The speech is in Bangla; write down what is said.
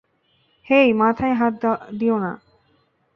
হেই, মাথায় হাত দিও না!